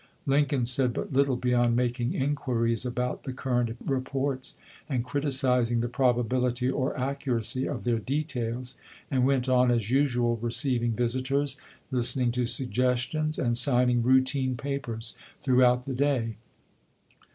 Lincoln said but little beyond making inquiries about the current reports and criticizing the probability or accuracy of their details, and went on as usual receiving visitoi'S, listening to sug gestions, and signing routine papers throughout the day.